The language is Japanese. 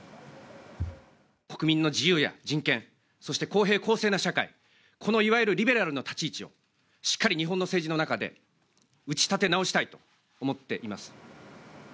国民の自由や人権、そして公平公正な社会、このいわゆるリベラルな立ち位置を、しっかり日本の政治の中でうち立て直したいと思っています。